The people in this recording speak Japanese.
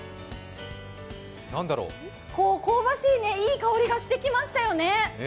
香ばしい、いい香りがしてきましたよ。